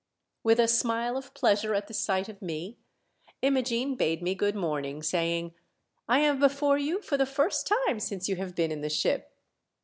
With a smile of pleasure at the sight of me WE SIGHT A SHIP. 22/ Imogene bade me good morning, saying, " I am before you for the first time since you have been in die ship."